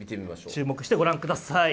注目してご覧ください。